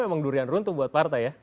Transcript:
itu memang durian runtuh buat partai ya